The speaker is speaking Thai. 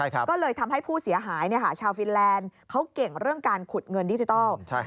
ก็เลยทำให้ผู้เสียหายชาวฟินแลนด์เขาเก่งเรื่องการขุดเงินดิจิทัล